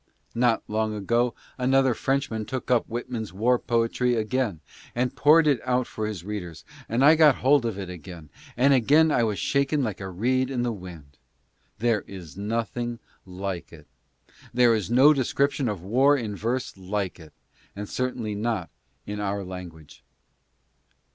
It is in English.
Not long ago another Frenchman took up Whitman's war poetry again, and poured it out for his readers, and I got hold of it again, and again I was shaken like a reed in the wind. There is nothing like it. T lere is no description of war in verse like it, certainly not in our language.